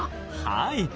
はい。